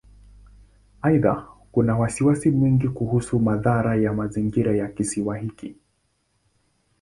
Aidha, kuna wasiwasi mwingi kuhusu madhara ya mazingira ya Kisiwa hiki.